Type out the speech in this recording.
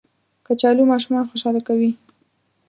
کچالو ماشومان خوشحاله کوي